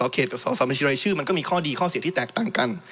เขตกับสอบบัญชีรายชื่อมันก็มีข้อดีข้อเสียที่แตกต่างกัน